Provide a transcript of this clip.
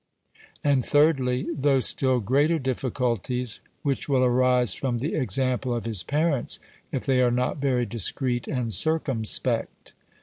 And, 3rdly, Those still greater difficulties which will arise from the example of his parents, if they are not very discreet and circumspect.